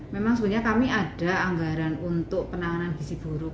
memang sebenarnya kami ada anggaran untuk penanganan gizi buruk